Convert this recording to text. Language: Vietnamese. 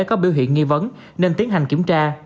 có biểu hiện nghi vấn nên tiến hành kiểm tra